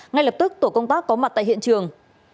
ngay lập tức tổ công tác có mặt tại hiện trường